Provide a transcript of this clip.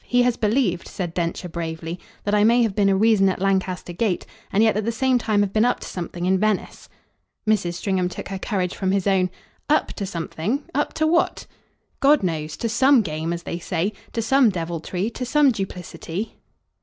He has believed," said Densher bravely, "that I may have been a reason at Lancaster Gate, and yet at the same time have been up to something in Venice." Mrs. Stringham took her courage from his own. "'Up to' something? Up to what?" "God knows. To some 'game,' as they say. To some deviltry. To some duplicity."